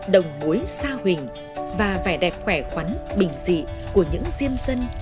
đồng muối xa huỳnh và vẻ đẹp khỏe khoắn bình dị của những diên dân